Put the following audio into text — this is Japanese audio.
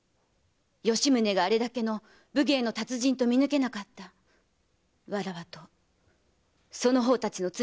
吉宗があれだけの武芸の達人と見抜けなかったわらわとその方たちの罪は重いぞ。